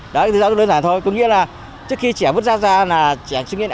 đó là giáo dục đơn giản thôi có nghĩa là trước khi trẻ vứt rác ra là trẻ chứng nhận